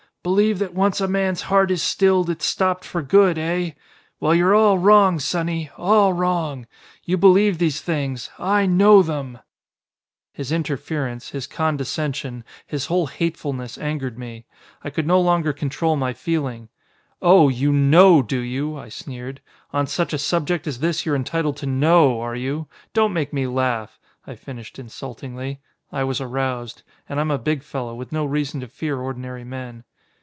"Believe that once a man's heart is stilled it's stopped for good, eh? Well, you're all wrong, sonny. All wrong! You believe these things. I know them!" His interference, his condescension, his whole hatefulness angered me. I could now no longer control my feeling. "Oh! You know, do you?" I sneered. "On such a subject as this you're entitled to know, are you? Don't make me laugh!" I finished insultingly. I was aroused. And I'm a big fellow, with no reason to fear ordinary men.